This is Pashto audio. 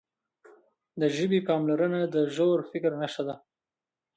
د ژبې پاملرنه د ژور فکر نښه ده.